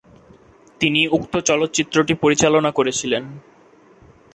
তিনি উক্ত চলচ্চিত্রটি পরিচালনা করছিলেন।